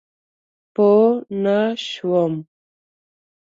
پوه نه شوم؟